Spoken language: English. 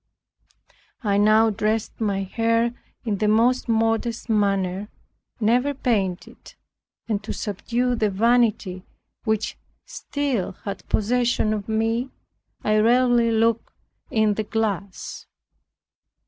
I now dressed my hair in the most modest manner, never painted, and to subdue the vanity which still had possession of me, I rarely looked in the glass.